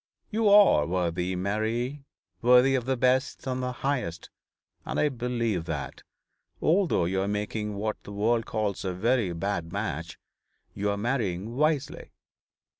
'You are worthy, Mary, worthy of the best and the highest: and I believe that, although you are making what the world calls a very bad match, you are marrying wisely.